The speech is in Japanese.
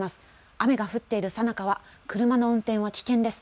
雨が降っているさなかは車の運転は危険です。